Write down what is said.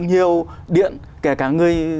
nhiều điện kể cả người